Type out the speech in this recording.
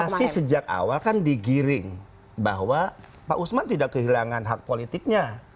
masih sejak awal kan digiring bahwa pak usman tidak kehilangan hak politiknya